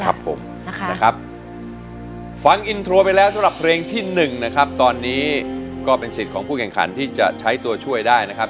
ครับผมนะครับฟังอินโทรไปแล้วสำหรับเพลงที่หนึ่งนะครับตอนนี้ก็เป็นสิทธิ์ของผู้แข่งขันที่จะใช้ตัวช่วยได้นะครับ